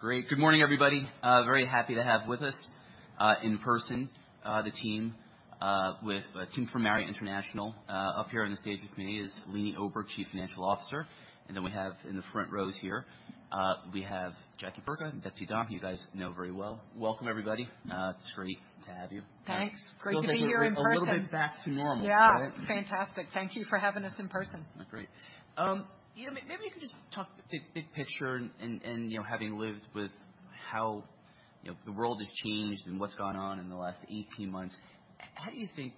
Great. Good morning, everybody. Very happy to have with us in person the team from Marriott International. Up here on the stage with me is Leeny Oberg, Chief Financial Officer, and then we have in the front rows here, we have Jackie Burka and Dove, who you guys know very well. Welcome, everybody. It's great to have you. Thanks. Great to be here in person. Feels like a little bit back to normal. Yeah. It's fantastic. Thank you for having us in person. Great. Maybe you could just talk big picture and having lived with how the world has changed and what's gone on in the last 18 months, how do you think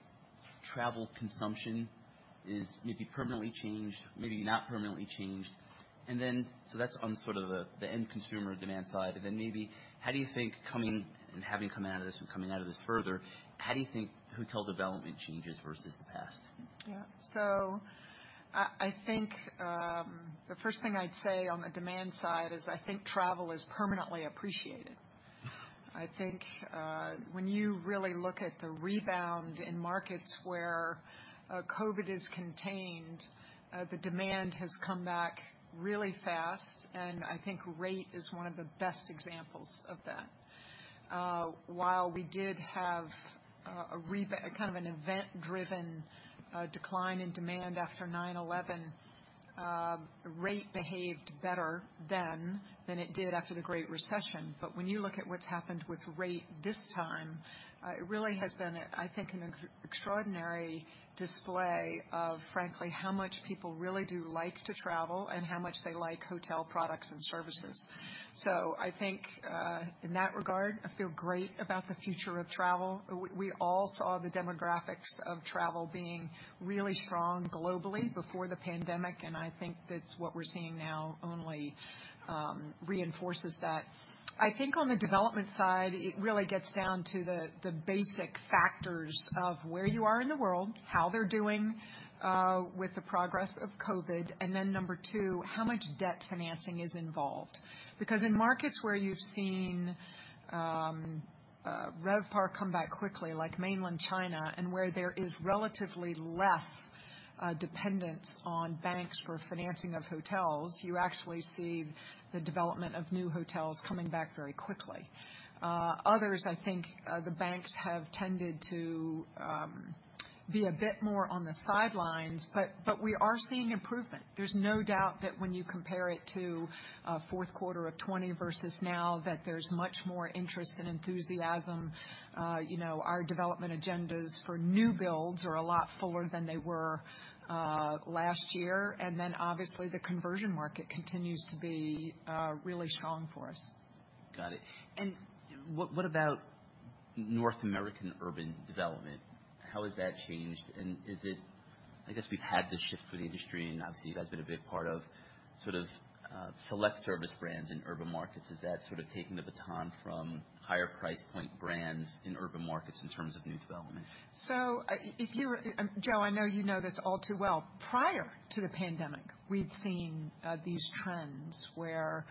travel consumption is maybe permanently changed, maybe not permanently changed? That's on sort of the end consumer demand side, maybe how do you think coming, and having come out of this and coming out of this further, how do you think hotel development changes versus the past? I think, the first thing I'd say on the demand side is I think travel is permanently appreciated. I think, when you really look at the rebound in markets where COVID is contained, the demand has come back really fast, and I think rate is one of the best examples of that. While we did have a kind of an event-driven decline in demand after 9/11, rate behaved better then than it did after the Great Recession. When you look at what's happened with rate this time, it really has been, I think, an extraordinary display of, frankly, how much people really do like to travel and how much they like hotel products and services. I think, in that regard, I feel great about the future of travel. We all saw the demographics of travel being really strong globally before the pandemic, and I think that what we're seeing now only reinforces that. I think on the development side, it really gets down to the basic factors of where you are in the world, how they're doing with the progress of COVID, and then number two, how much debt financing is involved. In markets where you've seen RevPAR come back quickly, like mainland China, and where there is relatively less dependence on banks for financing of hotels, you actually see the development of new hotels coming back very quickly. Others, I think, the banks have tended to be a bit more on the sidelines, but we are seeing improvement. There's no doubt that when you compare it to fourth quarter of 2020 versus now, that there's much more interest and enthusiasm. Our development agendas for new builds are a lot fuller than they were last year. Obviously, the conversion market continues to be really strong for us. Got it. What about North American urban development? How has that changed? I guess we've had this shift for the industry, and obviously that's been a big part of sort of select service brands in urban markets. Is that sort of taking the baton from higher price point brands in urban markets in terms of new development? Joe, I know you know this all too well. Prior to the pandemic, we'd seen these trends where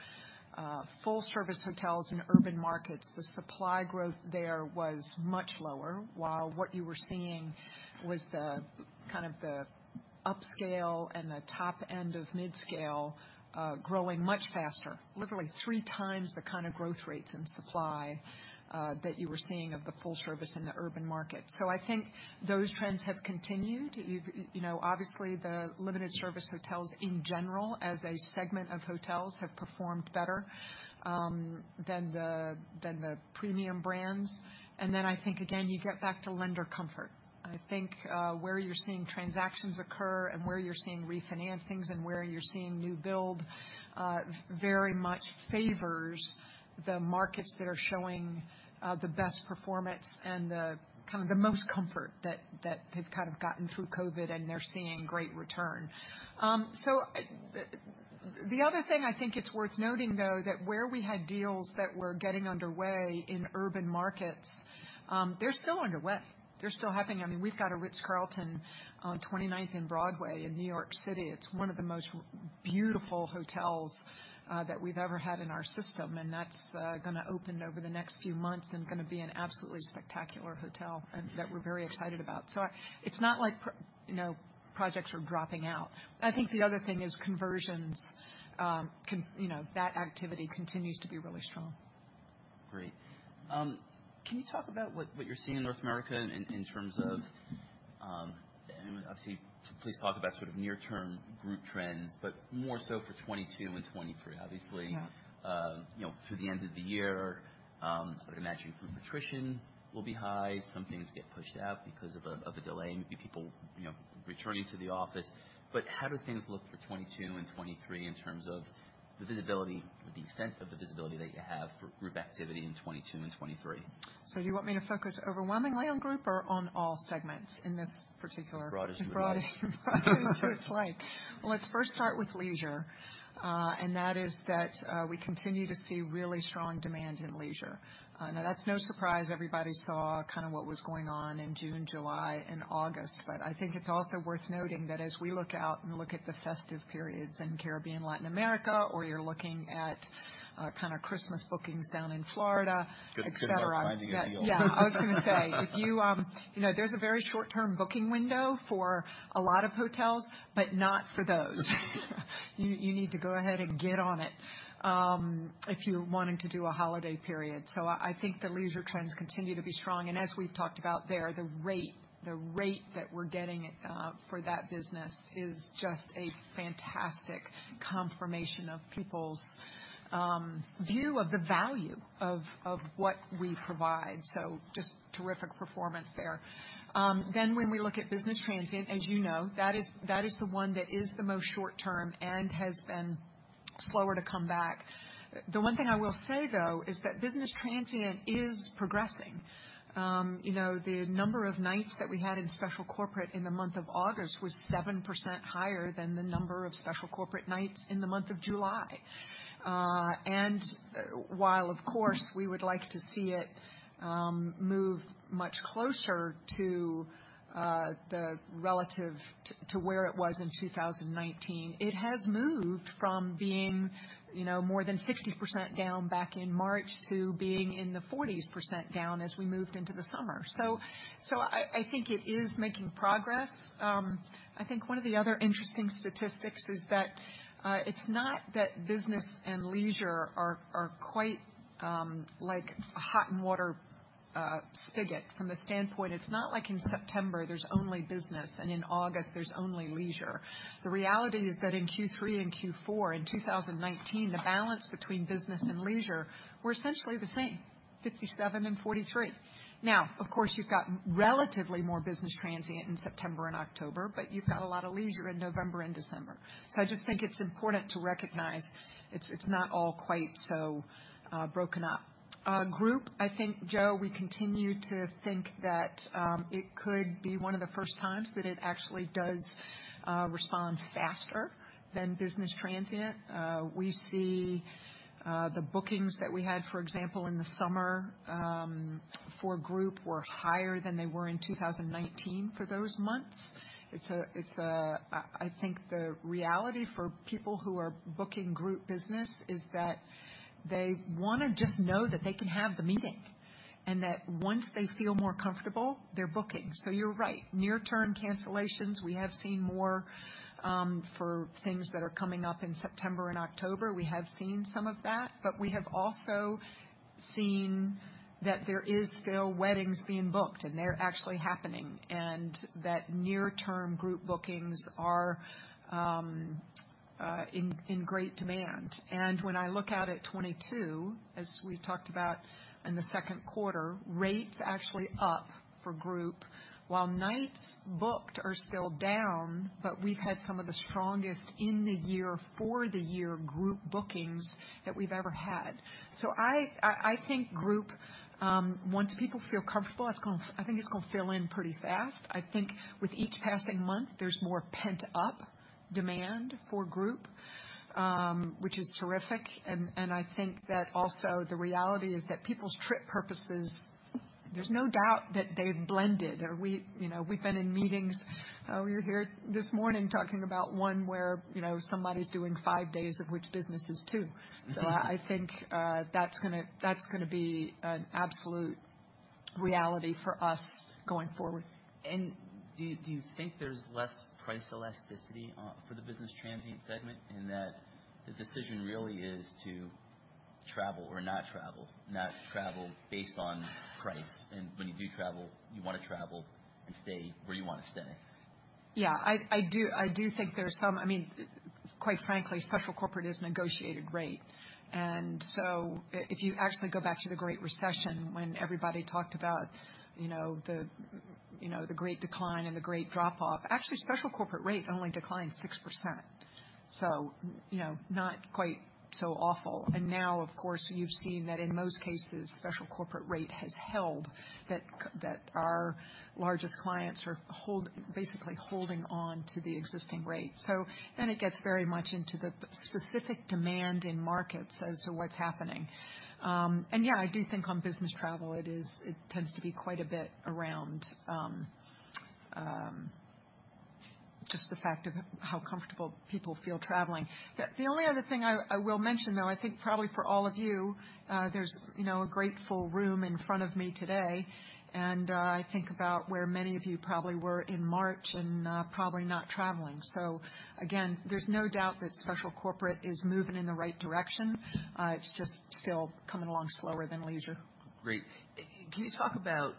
full service hotels in urban markets, the supply growth there was much lower, while what you were seeing was the kind of the upscale and the top end of midscale growing much faster, literally three times the kind of growth rates and supply that you were seeing of the full service in the urban market. I think those trends have continued. Obviously, the limited service hotels in general as a segment of hotels have performed better than the premium brands. I think, again, you get back to lender comfort. I think where you're seeing transactions occur and where you're seeing refinancings and where you're seeing new build very much favors the markets that are showing the best performance and the most comfort that have gotten through COVID, and they're seeing great return. The other thing I think it's worth noting, though, that where we had deals that were getting underway in urban markets, they're still underway. They're still happening. We've got a The Ritz-Carlton on 29th and Broadway in New York City. It's one of the most beautiful hotels that we've ever had in our system, and that's going to open over the next few months and going to be an absolutely spectacular hotel that we're very excited about. It's not like projects are dropping out. I think the other thing is conversions. That activity continues to be really strong. Great. Can you talk about what you're seeing in North America? In terms of, please talk about sort of near term group trends, but more so for 2022 and 2023. Yeah Obviously, you know, through the end of the year, I would imagine group attrition will be high. Some things get pushed out because of a delay, maybe people returning to the office. How do things look for 2022 and 2023 in terms of the visibility or the extent of the visibility that you have for group activity in 2022 and 2023? Do you want me to focus overwhelmingly on group or on all segments in this particular? Broad as you would like. Broad as you would like. Well, let's first start with leisure. That is that we continue to see really strong demand in leisure. Now, that's no surprise. Everybody saw kind of what was going on in June, July, and August. I think it's also worth noting that as we look out and look at the festive periods in Caribbean, Latin America, or you're looking at kind of Christmas bookings down in Florida, et cetera. It's a good time for finding a deal. I was going to say, there's a very short-term booking window for a lot of hotels, but not for those. You need to go ahead and get on it if you're wanting to do a holiday period. I think the leisure trends continue to be strong. As we've talked about there, the rate that we're getting for that business is just a fantastic confirmation of people's view of the value of what we provide. Just terrific performance there. When we look at business transient, as you know, that is the one that is the most short term and has been slower to come back. The one thing I will say, though, is that business transient is progressing. The number of nights that we had in special corporate in the month of August was 7% higher than the number of special corporate nights in the month of July. While of course, we would like to see it move much closer to the relative to where it was in 2019, it has moved from being more than 60% down back in March to being in the 40s% down as we moved into the summer. I think it is making progress. I think one of the other interesting statistics is that it's not that business and leisure are quite like a hot and water spigot from the standpoint. It's not like in September there's only business, and in August there's only leisure. The reality is that in Q3 and Q4, in 2019, the balance between business and leisure were essentially the same, 57 and 43. Of course, you've got relatively more business transient in September and October, but you've got a lot of leisure in November and December. I just think it's important to recognize it's not all quite so broken up. Group, I think, Joe, we continue to think that it could be one of the first times that it actually does respond faster than business transient. We see the bookings that we had, for example, in the summer for group were higher than they were in 2019 for those months. I think the reality for people who are booking group business is that they want to just know that they can have the meeting, and that once they feel more comfortable, they're booking. You're right. Near-term cancellations, we have seen more for things that are coming up in September and October. We have seen some of that, but we have also seen that there is still weddings being booked, and they're actually happening, and that near-term group bookings are in great demand. When I look out at 2022, as we talked about in the second quarter, rates actually up for group while nights booked are still down, but we've had some of the strongest in the year for the year group bookings that we've ever had. I think group, once people feel comfortable, I think it's going to fill in pretty fast. I think with each passing month, there's more pent-up demand for group, which is terrific, and I think that also the reality is that people's trip purposes, there's no doubt that they've blended. We've been in meetings. We were here this morning talking about one where somebody's doing five days of which business is two. I think that's going to be an absolute reality for us going forward. Do you think there's less price elasticity for the business transient segment in that the decision really is to travel or not travel, not travel based on price? When you do travel, you want to travel and stay where you want to stay. Yeah, I do think there's quite frankly, special corporate is negotiated rate. If you actually go back to the Great Recession, when everybody talked about the great decline and the great drop-off, actually special corporate rate only declined 6%. Not quite so awful. Now, of course, you've seen that in most cases, special corporate rate has held that our largest clients are basically holding on to the existing rate. It gets very much into the specific demand in markets as to what's happening. Yeah, I do think on business travel, it tends to be quite a bit around just the fact of how comfortable people feel traveling. The only other thing I will mention, though, I think probably for all of you, there's a great full room in front of me today, and I think about where many of you probably were in March and probably not traveling. Again, there's no doubt that special corporate is moving in the right direction. It's just still coming along slower than leisure. Great. Can you talk about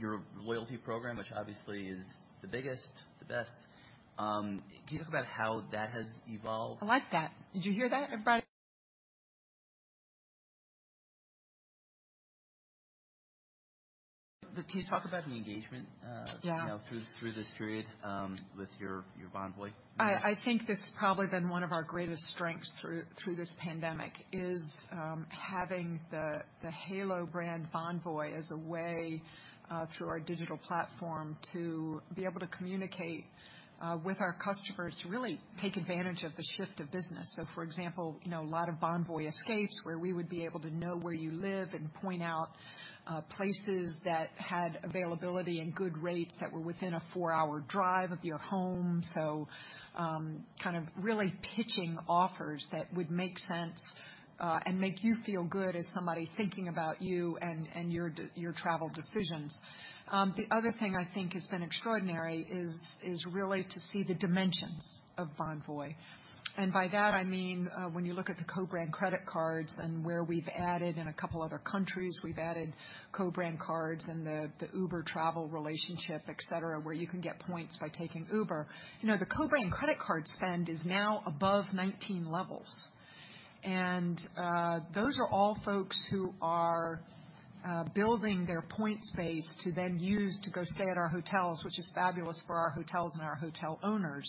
your loyalty program, which obviously is the biggest, the best? Can you talk about how that has evolved? I like that. Did you hear that? Everybody- Can you talk about the engagement? Yeah through this period with your Bonvoy? I think this has probably been one of our greatest strengths through this pandemic is having the halo brand Bonvoy as a way through our digital platform to be able to communicate with our customers to really take advantage of the shift of business. For example, a lot of Bonvoy Escapes where we would be able to know where you live and point out places that had availability and good rates that were within a four-hour drive of your home. Kind of really pitching offers that would make sense and make you feel good as somebody thinking about you and your travel decisions. The other thing I think has been extraordinary is really to see the dimensions of Bonvoy. By that I mean when you look at the co-branded credit cards and where we've added in a couple other countries, we've added co-branded cards and the Uber travel relationship, et cetera, where you can get points by taking Uber. The co-branded credit card spend is now above 2019 levels. Those are all folks who are building their points base to then use to go stay at our hotels, which is fabulous for our hotels and our hotel owners.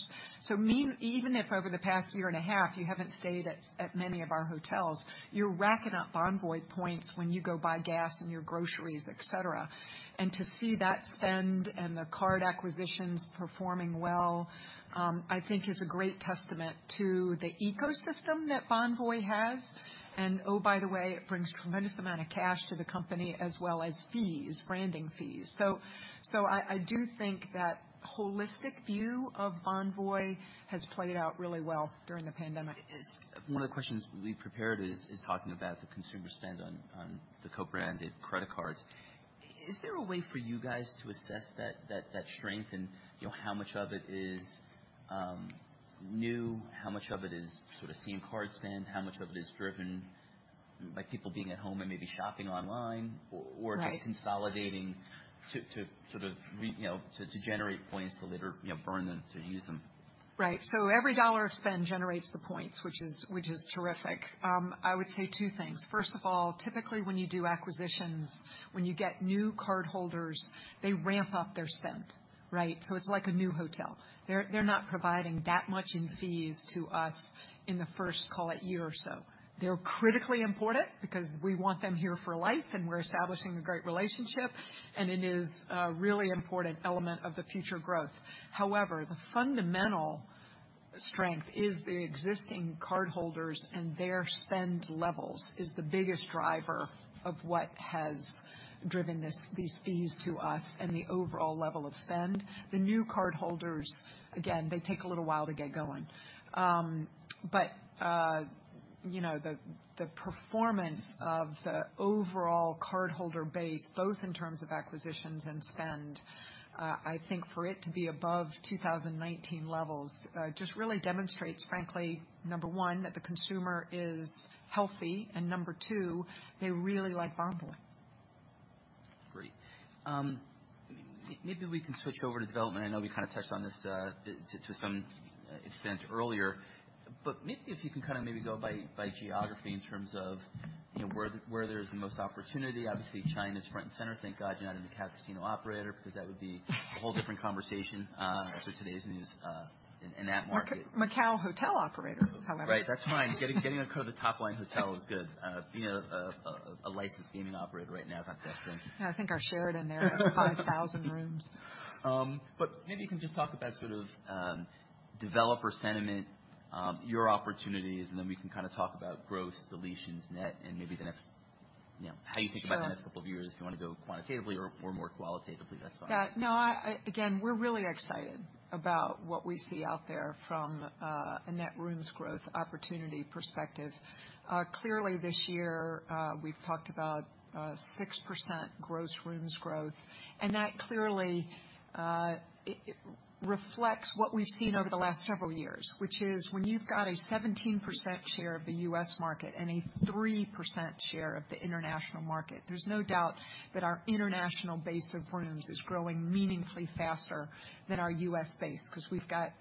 Even if over the past year and a half, you haven't stayed at many of our hotels, you're racking up Bonvoy points when you go buy gas and your groceries, et cetera. To see that spend and the card acquisitions performing well, I think is a great testament to the ecosystem that Bonvoy has. Oh, by the way, it brings tremendous amount of cash to the company as well as fees, branding fees. I do think that holistic view of Bonvoy has played out really well during the pandemic. One of the questions we prepared is talking about the consumer spend on the co-branded credit cards. Is there a way for you guys to assess that strength and how much of it is new, how much of it is same card spend, how much of it is driven by people being at home and maybe shopping online? Right Or just consolidating to generate points to later burn them, to use them? Right. Every dollar of spend generates the points, which is terrific. I would say two things. First of all, typically when you do acquisitions, when you get new cardholders, they ramp up their spend. Right? It's like a new hotel. They're not providing that much in fees to us in the first, call it year or so. They're critically important because we want them here for life, and we're establishing a great relationship, and it is a really important element of the future growth. However, the fundamental strength is the existing cardholders and their spend levels is the biggest driver of what has driven these fees to us and the overall level of spend. The new cardholders, again, they take a little while to get going. The performance of the overall cardholder base, both in terms of acquisitions and spend, I think for it to be above 2019 levels, just really demonstrates, frankly, number one, that the consumer is healthy, and number two, they really like Bonvoy. Great. Maybe we can switch over to development. I know we touched on this to some extent earlier. Maybe if you can maybe go by geography in terms of where there's the most opportunity. Obviously, China's front and center. Thank God you're not in the casino operator because that would be a whole different conversation after today's news in that market. Macau hotel operator, however. Right. That's fine. Getting a cut of the top line hotel is good. Being a licensed gaming operator right now is not the best thing. Yeah, I think our share it in there is 5,000 rooms. Maybe you can just talk about developer sentiment, your opportunities, and then we can talk about gross deletions net and how you think about. Sure the next couple of years. If you want to go quantitatively or more qualitatively, that's fine. Yeah. No. Again, we're really excited about what we see out there from a net rooms growth opportunity perspective. Clearly, this year, we've talked about 6% gross rooms growth, and that clearly reflects what we've seen over the last several years, which is when you've got a 17% share of the U.S. market and a 3% share of the international market, there's no doubt that our international base of rooms is growing meaningfully faster than our U.S. base because we've got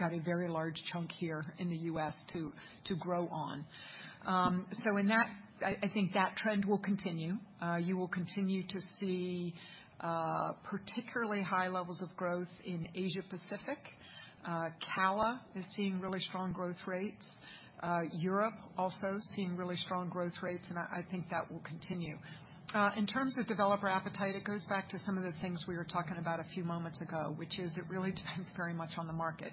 a very large chunk here in the U.S. to grow on. I think that trend will continue. You will continue to see particularly high levels of growth in Asia Pacific. CALA is seeing really strong growth rates. Europe also seeing really strong growth rates, and I think that will continue. In terms of developer appetite, it goes back to some of the things we were talking about a few moments ago, which is it really depends very much on the market.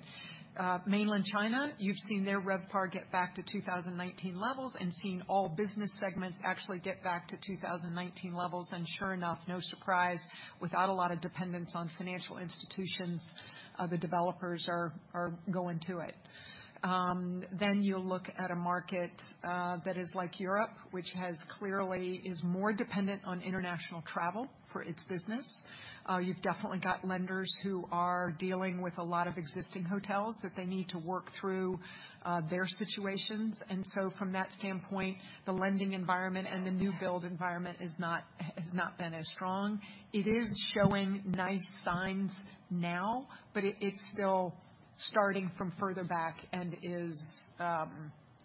Mainland China, you've seen their RevPAR get back to 2019 levels and seen all business segments actually get back to 2019 levels. Sure enough, no surprise, without a lot of dependence on financial institutions, the developers are going to it. You look at a market that is like Europe, which clearly is more dependent on international travel for its business. You've definitely got lenders who are dealing with a lot of existing hotels that they need to work through their situations. From that standpoint, the lending environment and the new build environment has not been as strong. It is showing nice signs now, but it's still starting from further back and is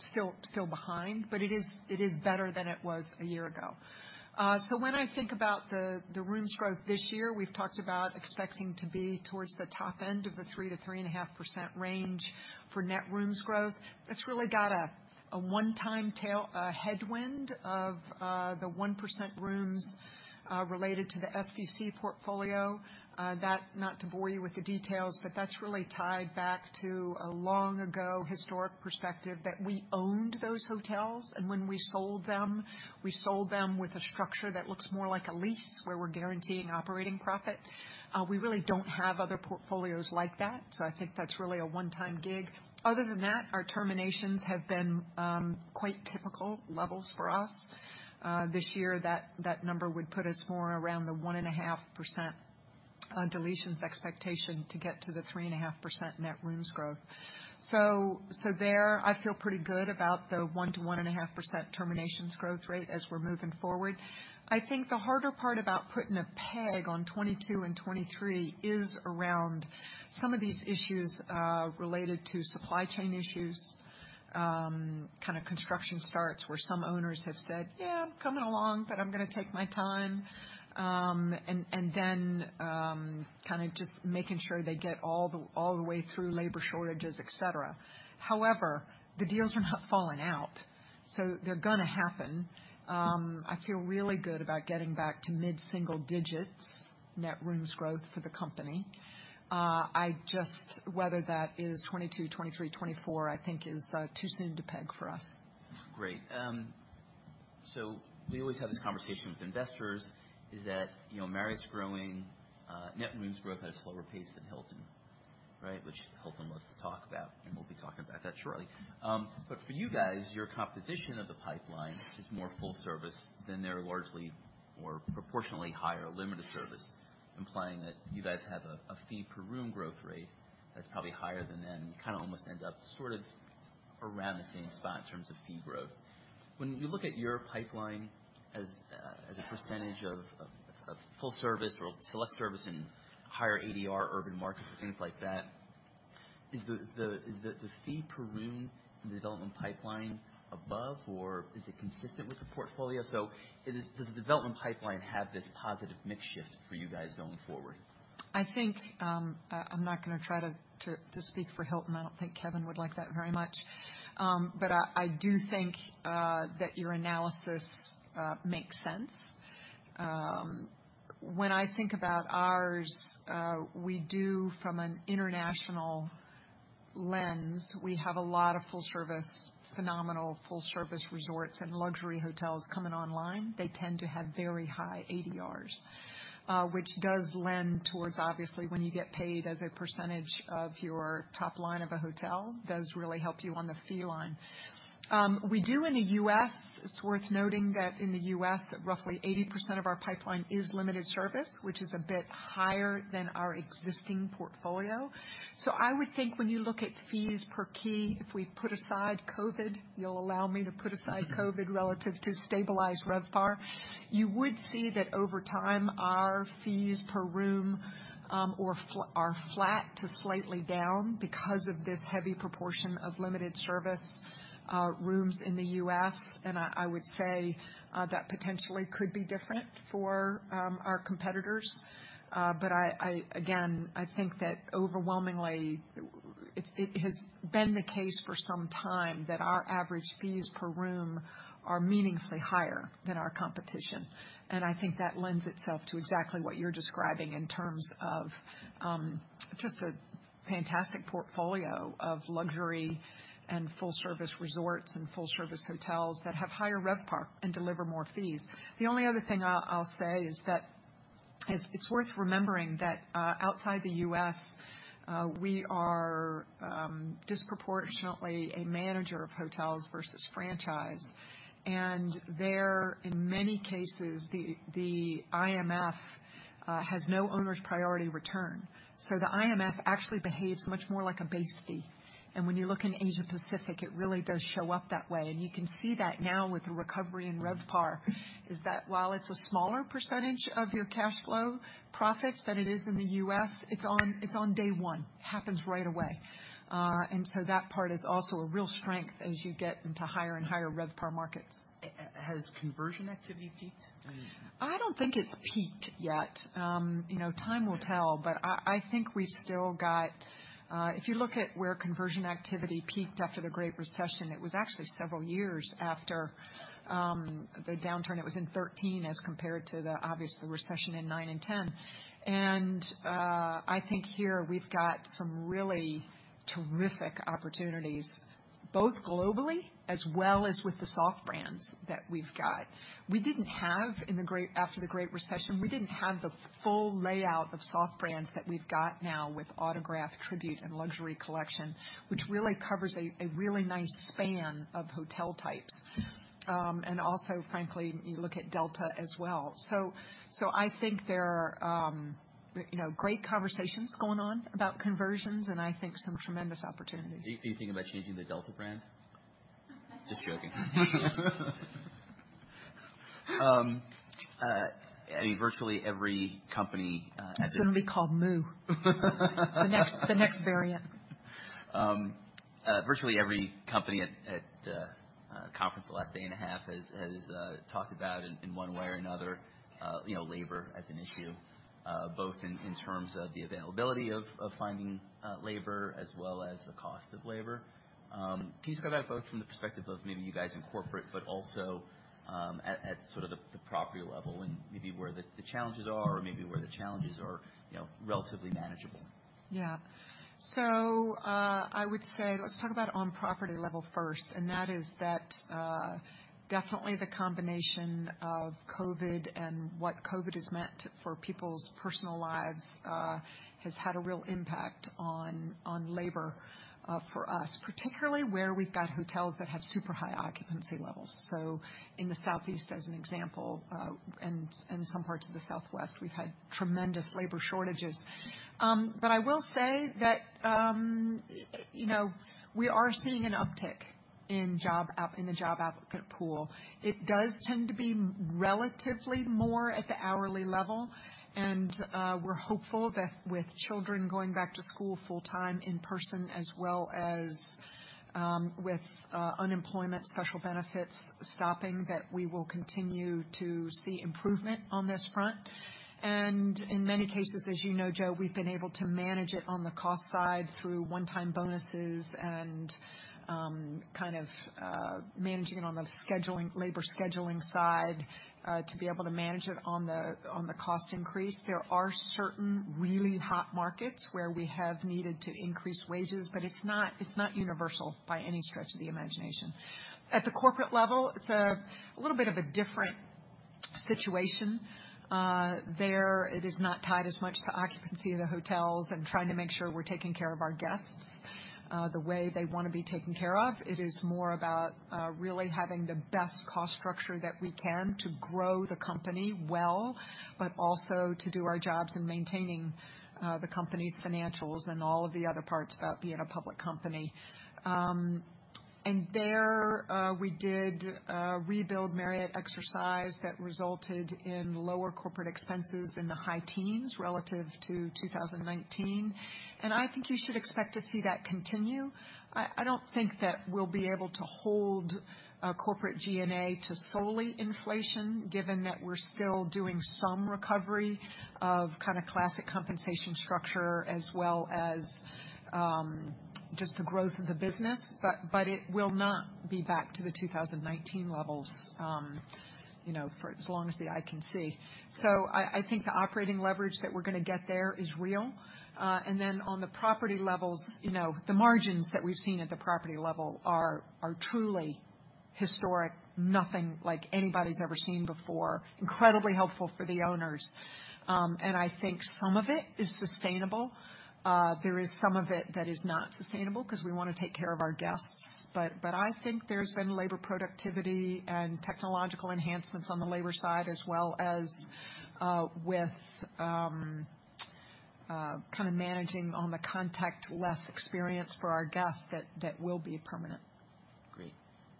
still behind, but it is better than it was a year ago. When I think about the rooms growth this year, we've talked about expecting to be towards the top end of the 3%-3.5% range for net rooms growth. That's really got a one-time headwind of the 1% rooms related to the SVC portfolio. Not to bore you with the details, but that's really tied back to a long ago historic perspective that we owned those hotels, and when we sold them, we sold them with a structure that looks more like a lease, where we're guaranteeing operating profit. We really don't have other portfolios like that, so I think that's really a one-time gig. Other than that, our terminations have been quite typical levels for us. This year, that number would put us more in around the 1.5% deletions expectation to get to the 3.5% net rooms growth. There, I feel pretty good about the 1%-1.5% terminations growth rate as we're moving forward. I think the harder part about putting a peg on 2022 and 2023 is around some of these issues related to supply chain issues, kind of construction starts where some owners have said, "Yeah, I'm coming along, but I'm going to take my time." Just making sure they get all the way through labor shortages, et cetera. However, the deals are not falling out, so they're going to happen. I feel really good about getting back to mid-single digits net rooms growth for the company. Just whether that is 2022, 2023, 2024, I think is too soon to peg for us. Great. We always have this conversation with investors is that Marriott's growing net rooms growth at a slower pace than Hilton, right? Which Hilton loves to talk about, and we'll be talking about that shortly. For you guys, your composition of the pipeline is more full service than their largely more proportionately higher limited service, implying that you guys have a fee per room growth rate that's probably higher than them. You kind of almost end up sort of around the same spot in terms of fee growth. When you look at your pipeline as a percentage of full service or select service in higher ADR urban markets and things like that, is the fee per room in the development pipeline above or is it consistent with the portfolio? Does the development pipeline have this positive mix shift for you guys going forward? I'm not going to try to speak for Hilton. I don't think Kevin would like that very much. I do think that your analysis makes sense. When I think about ours, we do from an international lens. We have a lot of phenomenal full-service resorts and luxury hotels coming online. They tend to have very high ADRs, which does lend towards obviously when you get paid as a percentage of your top line of a hotel, does really help you on the fee line. We do in the U.S., it's worth noting that in the U.S. that roughly 80% of our pipeline is limited service, which is a bit higher than our existing portfolio. I would think when you look at fees per key, if we put aside COVID, you'll allow me to put aside COVID relative to stabilized RevPAR, you would see that over time, our fees per room are flat to slightly down because of this heavy proportion of limited service rooms in the U.S. I would say that potentially could be different for our competitors. Again, I think that overwhelmingly, it has been the case for some time that our average fees per room are meaningfully higher than our competition. I think that lends itself to exactly what you're describing in terms of just a fantastic portfolio of luxury and full-service resorts and full-service hotels that have higher RevPAR and deliver more fees. The only other thing I'll say is that it's worth remembering that outside the U.S., we are disproportionately a manager of hotels versus franchised. There, in many cases, the IMF has no owner's priority return. The IMF actually behaves much more like a base fee. When you look in Asia Pacific, it really does show up that way, and you can see that now with the recovery in RevPAR, is that while it's a smaller percentage of your cash flow profits than it is in the U.S., it's on day one. Happens right away. That part is also a real strength as you get into higher and higher RevPAR markets. Has conversion activity peaked? I don't think it's peaked yet. Time will tell, but I think we've still got. If you look at where conversion activity peaked after the Great Recession, it was actually several years after the downturn. It was in 2013 as compared to obviously the recession in 2009 and 2010. I think here we've got some really terrific opportunities both globally as well as with the soft brands that we've got. After the Great Recession, we didn't have the full layout of soft brands that we've got now with Autograph, Tribute, and Luxury Collection, which really covers a really nice span of hotel types. Also, frankly, you look at Delta as well. I think there are great conversations going on about conversions and I think some tremendous opportunities. Are you thinking about changing the Delta brand? Just joking. Virtually every company- It's going to be called Mu. The next variant. Virtually every company at conference the last day and a half has talked about in one way or another labor as an issue, both in terms of the availability of finding labor as well as the cost of labor. He's got the vote from the perspective of maybe you guys in corporate, but also at sort of the property level and maybe where the challenges are or maybe where the challenges are relatively manageable? Yeah. I would say let's talk about on property level first, and that is that definitely the combination of COVID and what COVID has meant for people's personal lives has had a real impact on labor for us, particularly where we've got hotels that have super high occupancy levels. In the Southeast, as an example, and some parts of the Southwest, we've had tremendous labor shortages. I will say that we are seeing an uptick in a job applicant pool. It does tend to be relatively more at the hourly level, and we're hopeful that with children going back to school full-time in person as well as with unemployment special benefits stopping, that we will continue to see improvement on this front. In many cases, as you know, Joe, we've been able to manage it on the cost side through one-time bonuses and managing it on the labor scheduling side, to be able to manage it on the cost increase. There are certain really hot markets where we have needed to increase wages, but it's not universal by any stretch of the imagination. At the corporate level, it's a little bit of a different situation. There, it is not tied as much to occupancy of the hotels and trying to make sure we're taking care of our guests the way they want to be taken care of. It is more about really having the best cost structure that we can to grow the company well, but also to do our jobs in maintaining the company's financials and all of the other parts about being a public company. There, we did a rebuild Marriott exercise that resulted in lower corporate expenses in the high teens relative to 2019. I think you should expect to see that continue. I don't think that we'll be able to hold a corporate G&A to solely inflation, given that we're still doing some recovery of classic compensation structure as well as just the growth of the business. It will not be back to the 2019 levels for as long as the eye can see. I think the operating leverage that we're going to get there is real. Then on the property levels, the margins that we've seen at the property level are truly historic. Nothing like anybody's ever seen before. Incredibly helpful for the owners. I think some of it is sustainable. There is some of it that is not sustainable, because we want to take care of our guests. I think there's been labor productivity and technological enhancements on the labor side, as well as with managing on the contactless experience for our guests that will be permanent. Great.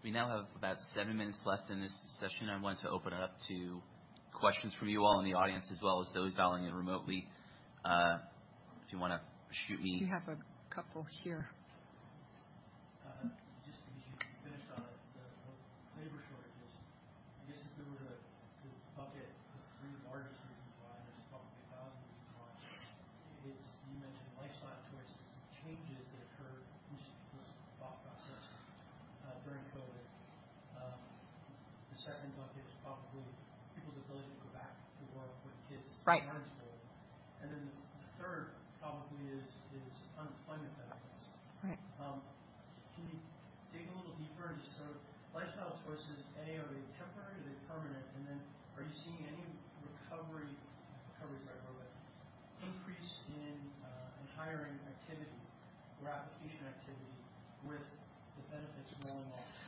We now have about seven minutes left in this session. I want to open it up to questions from you all in the audience, as well as those dialing in remotely. We have a couple here. Just because you finished on the labor shortages, I guess if we were to bucket the three largest reasons why there's probably 1,000 reasons why, you mentioned lifestyle choices, changes that occurred in people's thought process during COVID. The second bucket is probably people's ability to go back to work with kids in school. Right. The third probably is unemployment benefits. Right. Can you dig a little deeper into sort of lifestyle choices, A, are they temporary, are they permanent, and then are you seeing any increase in hiring activity or application activity with the benefits rolling off?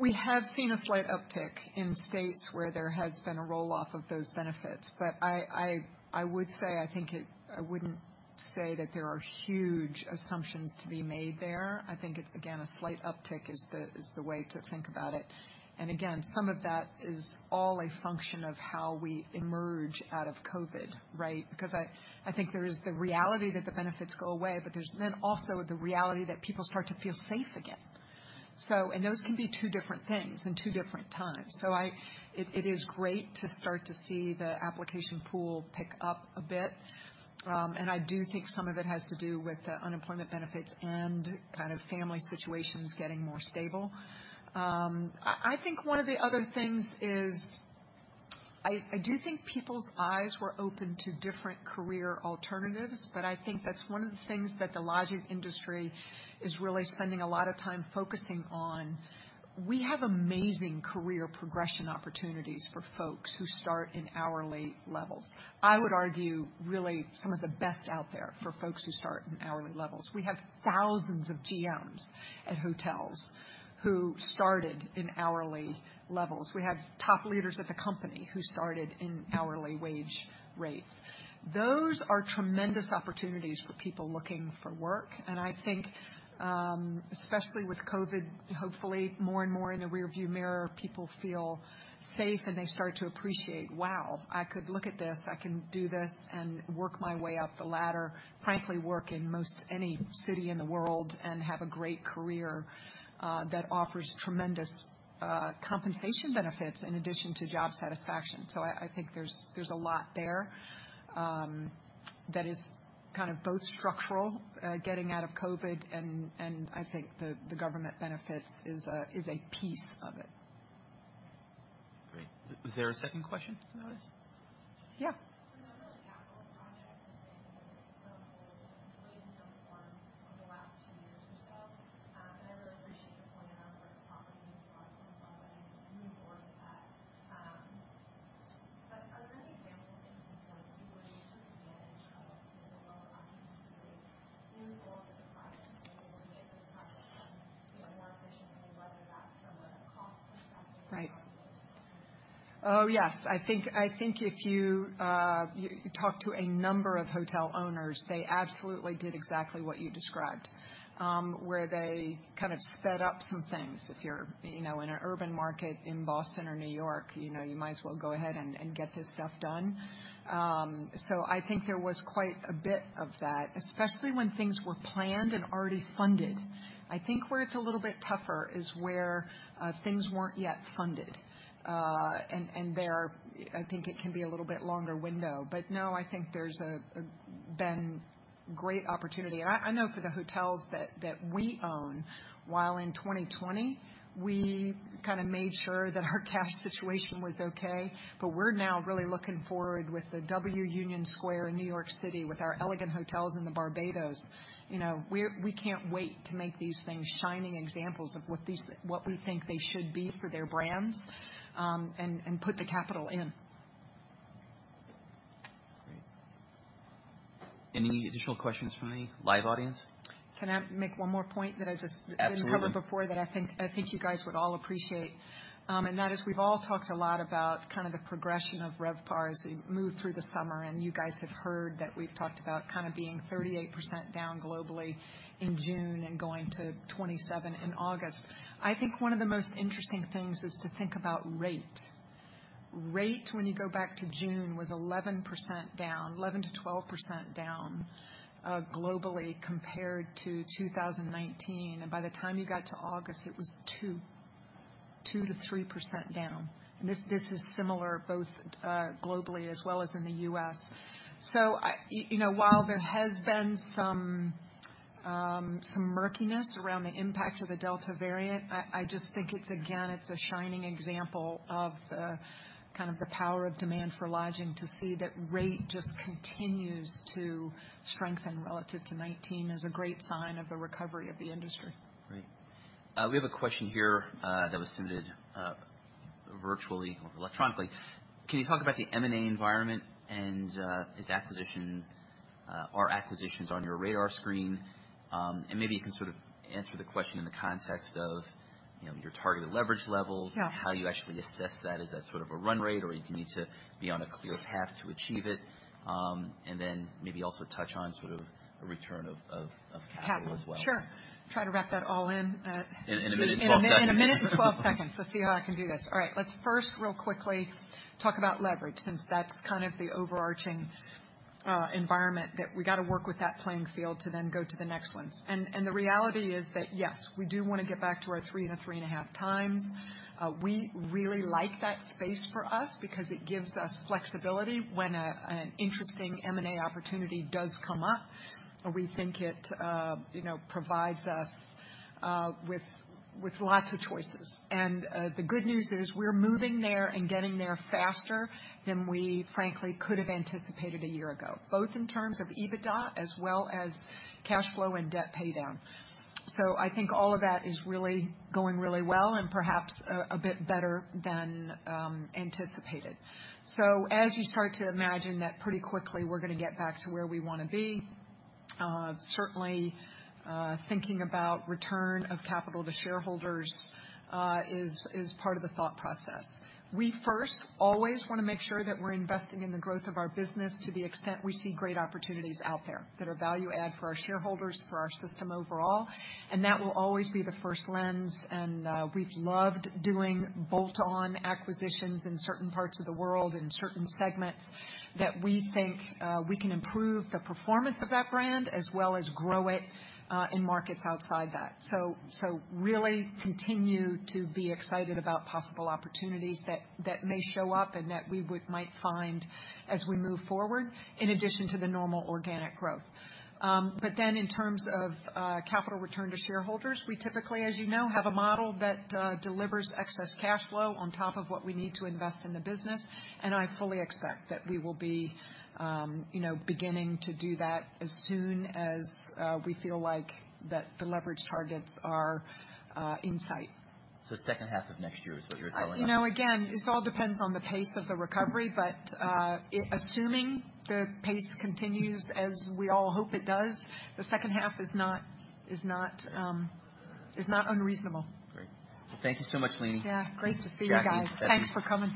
We have seen a slight uptick in states where there has been a roll-off of those benefits. I wouldn't say that there are huge assumptions to be made there. I think it's, again, a slight uptick is the way to think about it. Again, some of that is all a function of how we emerge out of COVID, right? Because I think there's the reality that the benefits go away, but there's then also the reality that people start to feel safe again. Those can be two different things and two different times. It is great to start to see the application pool pick up a bit. I do think some of it has to do with the unemployment benefits and family situations getting more stable. I do think people's eyes were opened to different career alternatives. I think that's one of the things that the lodging industry is really spending a lot of time focusing on. We have amazing career progression opportunities for folks who start in hourly levels. I would argue really some of the best out there for folks who start in hourly levels. We have thousands of GMs at hotels who started in hourly levels. We have top leaders at the company who started in hourly wage rates. Those are tremendous opportunities for people looking for work. I think especially with COVID, hopefully, more and more in the rear view mirror, people feel safe and they start to appreciate, "Wow, I could look at this. I can do this and work my way up the ladder." Frankly, work in most any city in the world and have a great career that offers tremendous compensation benefits in addition to job satisfaction. I think there's a lot there that is both structural, getting out of COVID, and I think the government benefits is a piece of it. Great. Was there a second question? Yeah. Another capital project [audio distorion] Right. Oh, yes. I think if you talk to a number of hotel owners, they absolutely did exactly what you described, where they kind of sped up some things. If you're in an urban market in Boston or New York, you might as well go ahead and get this stuff done. I think there was quite a bit of that, especially when things were planned and already funded. I think where it's a little bit tougher is where things weren't yet funded. There, I think it can be a little bit longer window. No, I think there's been great opportunity. I know for the hotels that we own, while in 2020, we kind of made sure that our cash situation was okay, but we're now really looking forward with the W - Union Square in New York City, with our Elegant Hotels in Barbados. We can't wait to make these things shining examples of what we think they should be for their brands, and put the capital in. Great. Any additional questions from the live audience? Can I make one more point that I just? Absolutely didn't cover before that I think you guys would all appreciate. That is, we've all talked a lot about kind of the progression of RevPAR as we move through the summer, and you guys have heard that we've talked about kind of being 38% down globally in June and going to 27% in August. I think one of the most interesting things is to think about rate. Rate, when you go back to June, was 11% down, 11%-12% down globally compared to 2019. By the time you got to August, it was 2%-3% down. This is similar both globally as well as in the U.S. While there has been some murkiness around the impact of the Delta variant, I just think it's, again, it's a shining example of kind of the power of demand for lodging to see that rate just continues to strengthen relative to 2019 is a great sign of the recovery of the industry. Great. We have a question here that was submitted virtually, electronically. Can you talk about the M&A environment and are acquisitions on your radar screen? Maybe you can sort of answer the question in the context of your targeted leverage levels. Yeah how you actually assess that. Is that sort of a run rate, or do you need to be on a clear path to achieve it? Then maybe also touch on sort of a return of capital as well. Capital. Sure. In a minute and 12 seconds. in a minute and 12 seconds. Let's see how I can do this. All right. Let's first real quickly talk about leverage, since that's kind of the overarching environment that we got to work with that playing field to then go to the next ones. The reality is that, yes, we do want to get back to our 3x to 3.5x. We really like that space for us because it gives us flexibility when an interesting M&A opportunity does come up. We think it provides us with lots of choices. The good news is we're moving there and getting there faster than we frankly could've anticipated a year ago, both in terms of EBITDA as well as cash flow and debt paydown. I think all of that is really going really well and perhaps a bit better than anticipated. As you start to imagine that pretty quickly, we're going to get back to where we want to be. Certainly, thinking about return of capital to shareholders is part of the thought process. We first always want to make sure that we're investing in the growth of our business to the extent we see great opportunities out there that are value add for our shareholders, for our system overall, and that will always be the first lens. We've loved doing bolt-on acquisitions in certain parts of the world, in certain segments that we think we can improve the performance of that brand as well as grow it in markets outside that. Really continue to be excited about possible opportunities that may show up and that we might find as we move forward, in addition to the normal organic growth. In terms of capital return to shareholders, we typically, as you know, have a model that delivers excess cash flow on top of what we need to invest in the business. I fully expect that we will be beginning to do that as soon as we feel like that the leverage targets are in sight. Second half of next year is what you're telling us? This all depends on the pace of the recovery, but assuming the pace continues as we all hope it does, the second half is not unreasonable. Great. Well, thank you so much, Leeny. Yeah. Great to see you guys. Jacqueline, Stephanie. Thanks for coming.